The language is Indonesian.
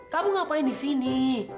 kamu ngapain di sini